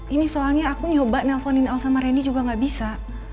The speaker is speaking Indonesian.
ini soalnya aku nyoba telfonin elsa sama randy juga gak bisa